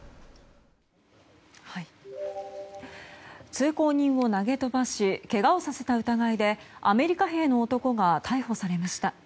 通行人を投げ飛ばしけがをさせた疑いでアメリカ兵の男が逮捕されました。